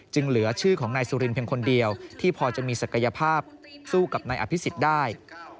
เหลือชื่อของนายสุรินเพียงคนเดียวที่พอจะมีศักยภาพสู้กับนายอภิษฎได้